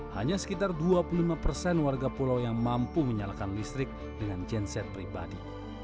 hanya sekitar dua puluh lima persen warga pulau yang mampu menyalakan listrik dengan genset pribadi